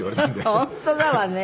本当だわね。